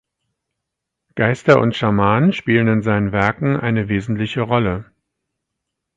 Geister und Schamanen spielen in seinen Werken eine wesentliche Rolle.